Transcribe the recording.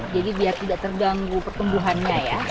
biar tidak terganggu pertumbuhannya ya